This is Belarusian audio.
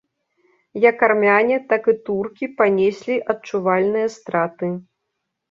Як армяне, так і туркі панеслі адчувальныя страты.